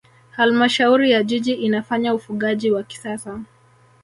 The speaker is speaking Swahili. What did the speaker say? halmashauri ya jiji inafanya ufugaji wa kisasa